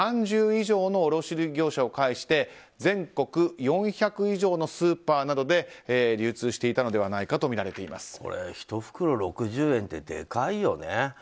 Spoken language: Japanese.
３０以上の卸売業者を介して全国４００以上のスーパーなどで流通していたのではないかと１袋６０円って、でかいよね。